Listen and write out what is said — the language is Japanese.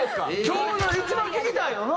今日一番聞きたいよな。